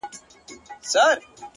• په زرگونو حاضر سوي وه پوځونه,